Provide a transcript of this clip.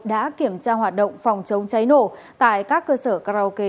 đã kiểm tra hoạt động phòng chống cháy nổ tại các cơ sở karaoke